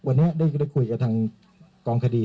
ส่วนบุคคลที่จะถูกดำเนินคดีมีกี่คนและจะมีพี่เต้ด้วยหรือเปล่า